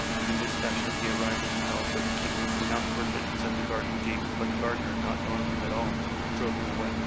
In this fashion he arrived at the palace' of the King. He knocked for admittance at the garden gate, but the gardener, not knowing him at all, drove him away.